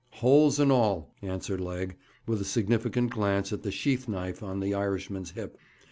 'Holes and all,' answered Legg, with a significant glance at the sheath knife on the Irishman's hip.